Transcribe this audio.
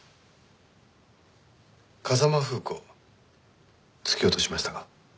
風間楓子突き落としましたか？